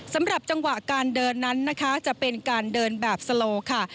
สำหรับจังหวะการเดินนั้นนะคะจะเป็นการเดินแบบสโลค่ะ